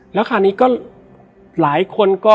และวันนี้แขกรับเชิญที่จะมาเชิญที่เรา